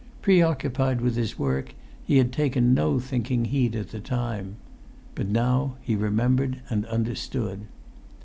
Preoccupied with his work, he had taken no thinking heed at the time. But now he remembered and understood.